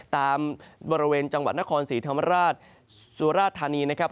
บริเวณจังหวัดนครศรีธรรมราชสุราธานีนะครับ